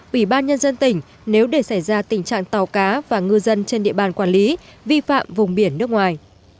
ủy ban nhân dân tỉnh nếu để xảy ra tình trạng tàu cá và ngư dân trên địa bàn quản lý vi phạm vùng biển nước ngoài